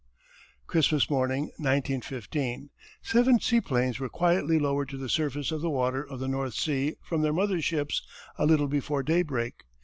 Christmas morning, 1915, seven seaplanes were quietly lowered to the surface of the water of the North Sea from their mother ships a little before daybreak.